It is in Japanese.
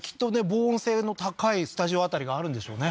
防音性の高いスタジオあたりがあるんでしょうね